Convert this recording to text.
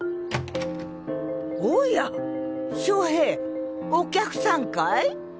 おや正平お客さんかい？